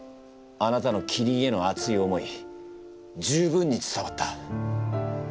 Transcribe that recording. あなたのキリンへの熱い思い十分に伝わった。